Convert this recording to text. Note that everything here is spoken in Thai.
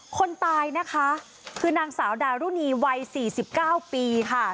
คนตายนะคะคือนางสาวดารุณีวัย๔๙ปีค่ะ